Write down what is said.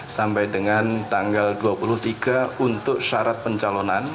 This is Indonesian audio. sampai dengan tanggal dua puluh tiga untuk syarat pencalonan